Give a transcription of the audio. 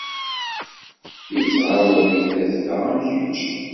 Yettɣawal deg tazzla am kecc.